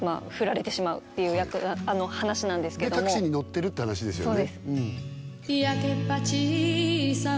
タクシーに乗ってるって話ですよね